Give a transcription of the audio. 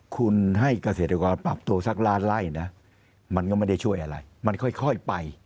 คุณให้เกษตรกรปรับตัวสักล้านไล่นะมันก็ไม่ได้ช่วยอะไรมันค่อยไป